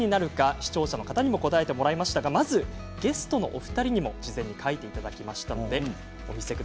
視聴者の方にも答えていただきましたがまずはゲストのお二人に書いていただきました。